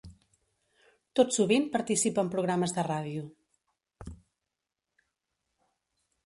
Tot sovint participa en programes de ràdio.